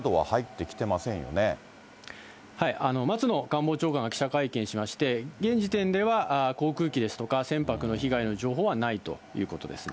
官房長官が記者会見しまして、現時点では航空機ですとか船舶の被害の情報はないということです